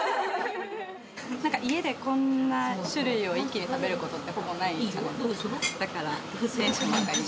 なんか家でこんな種類を一気に食べることって、ほぼないじゃないですか。